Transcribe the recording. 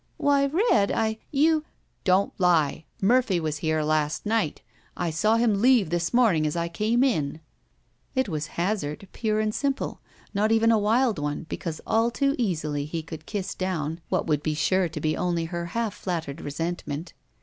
"Why, Red— I— You—" "Don't lie. Murphy was here last night! I saw him leave this morning as I came in." 276 ROULETTE It was hazard, pure and simple. Not even a wild one, because all too easily he could kiss down what would be sure to be only her half flattered resentment.